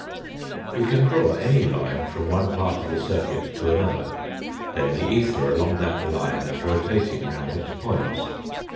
We can draw any line from one part of the circuit to another ; then the ether along that line is rotating round its points.